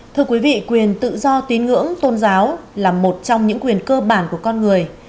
thưa quý vị quyền tự do tín ngưỡng tôn giáo là một trong những quyền cơ bản của con người